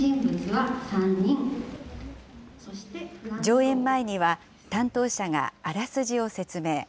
上演前には担当者があらすじを説明。